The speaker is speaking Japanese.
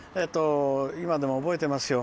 今でも、覚えてますよ。